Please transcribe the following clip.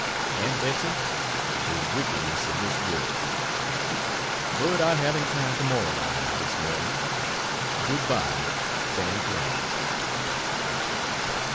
Aunt Betsey the wickedness of this world but I haven't time to moralize this morning. Goodbye SAM CLEMENS.